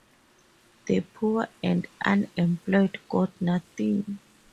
The poor and unemployed got nothing.